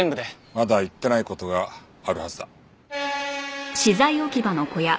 まだ言ってない事があるはずだ。